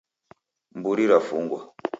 Mburi rafungwa